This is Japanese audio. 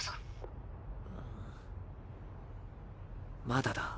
まだだ。